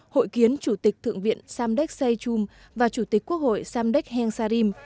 hội kiến chủ tịch thượng viện samdek saychum và chủ tịch quốc hội samdek heng sarim